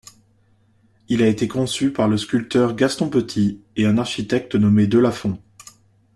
Il a été conçu par le sculpteur Gaston Petit, et un architecte nommé Delafon.